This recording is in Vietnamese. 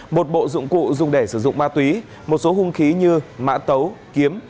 một bộ dụng cụ dùng để sử dụng ma túy một số hung khí như mã tấu kiếm